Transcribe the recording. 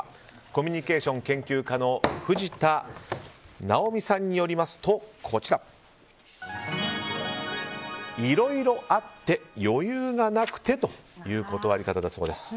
コミュニケーション研究家の藤田尚弓さんによりますといろいろあって余裕がなくてという断り方だそうです。